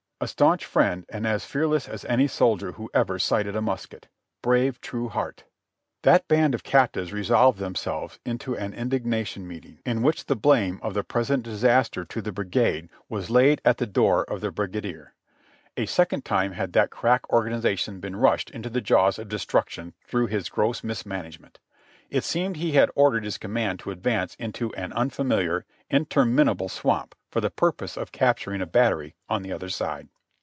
A staunch friend, and as fearless as any soldier who ever sighted musket! Brave, true heart! That band of captives resolved themselves into an indignation meeting, in which the blame of the present disaster to the bri 198 JOHNNY REB AND BILLY YANK gade was laid at the door of the brigadier ; a second time had that crack organization been rushed into the jaws of destruction through his gross mismanagement ; it seemed he had ordered his command to advance into an unfamiHar, interminable swamp for the purpose of capturing a battery on the other side.